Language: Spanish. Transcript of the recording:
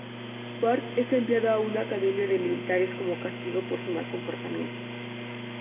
Bart es enviado a una academia de militares como castigo por su mal comportamiento.